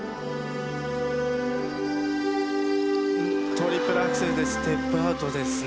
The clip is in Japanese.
トリプルアクセルでステップアウトですね。